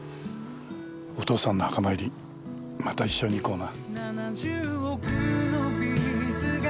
お父さんの墓参りまた一緒に行こうな。